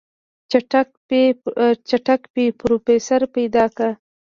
چټک پې پروفيسر پيدا که.